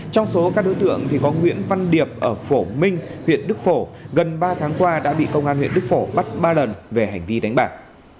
trong số các đối tượng có nguyễn văn điệp ở phổ minh huyện đức phổ gần ba tháng qua đã bị công an huyện đức phổ bắt ba lần về hành vi đánh bạc